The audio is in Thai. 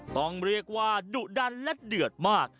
ต้องเรียกว่าดุดันและเดือดมาก